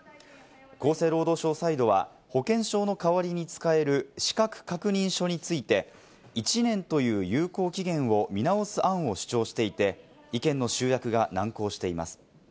厚生労働省サイドは、保険証の代わりに使える資格確認書について、１年という有効期限を見直す案を主張していて、意見の集約が難航しています。